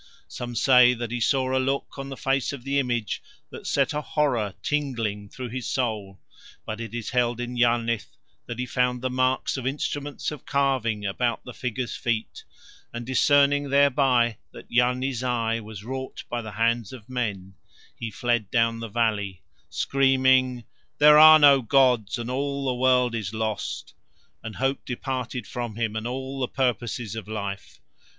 Some say that he saw a look on the face of the image that set a horror tingling through his soul, but it is held in Yarnith that he found the marks of instruments of carving about the figure's feet, and discerning thereby that Yarni Zai was wrought by the hands of men, he fled down the valley screaming: "There are no gods, and all the world is lost." And hope departed from him and all the purposes of life.